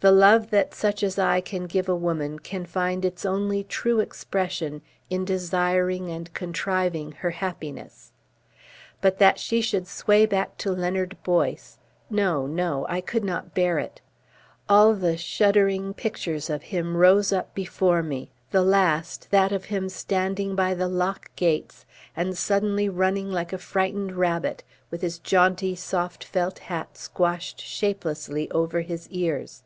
The love that such as I can give a woman can find its only true expression in desiring and contriving her happiness. But that she should sway back to Leonard Boyce no, no. I could not bear it. All the shuddering pictures of him rose up before me, the last, that of him standing by the lock gates and suddenly running like a frightened rabbit, with his jaunty soft felt hat squashed shapelessly over his ears.